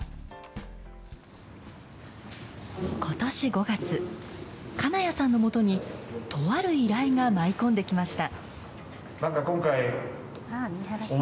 ことし５月、金谷さんのもとに、とある依頼が舞い込んできました。